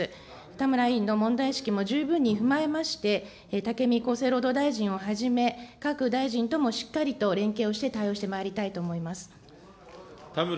田村委員の問題意識も十分に踏まえまして、武見厚生労働大臣をはじめ、各大臣ともしっかりと連携をして対応をしてまいりたいと思います。